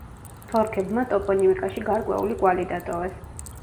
თორქებმა ტოპონიმიკაში გარკვეული კვალი დატოვეს.